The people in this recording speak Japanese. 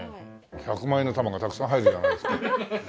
１００万円の束がたくさん入るじゃないですか。